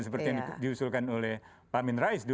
seperti yang diusulkan oleh pak min rais dulu